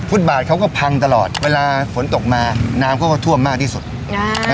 บาทเขาก็พังตลอดเวลาฝนตกมาน้ำเขาก็ท่วมมากที่สุดอ่า